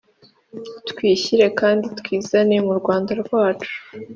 Twishyire kandi twizane mu Rwanda rwacu.